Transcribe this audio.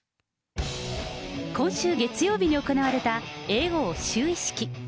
今週月曜日に行われた叡王就位式。